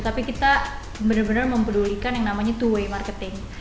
tapi kita benar benar mempedulikan yang namanya two way marketing